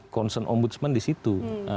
konsen om budsman di situ